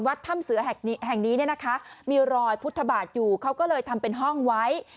ถ้ำเสือแห่งนี้เนี่ยนะคะมีรอยพุทธบาทอยู่เขาก็เลยทำเป็นห้องไว้